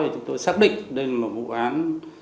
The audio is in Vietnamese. chúng tôi xác định đây là một vụ án